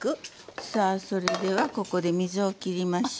さあそれではここで水を切りましょう。